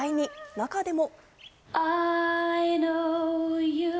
中でも。